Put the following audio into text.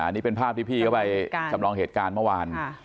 นี่เป็นภาพที่พี่เขาไปจำลองเหตุการณ์เมื่อวาน